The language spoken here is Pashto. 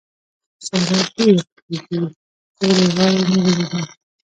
سارا ډېره ټوخېږي؛ تورې غاړې نيولې ده.